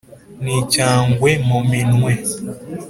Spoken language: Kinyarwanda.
N'icyangwe mu minwe